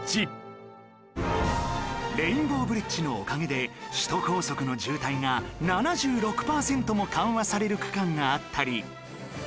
レインボーブリッジのおかげで首都高速の渋滞が７６パーセントも緩和される区間があったり